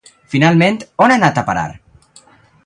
Finalment, on ha anat a parar?